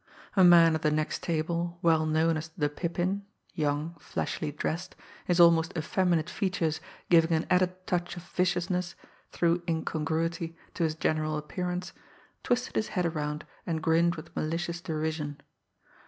A man at the next table, well known as the Pippin, young, flashily dressed, his almost effeminate features giving an added touch of viciousness, through incongruity, to his general appearance, twisted his head around and grinned with malicious derision.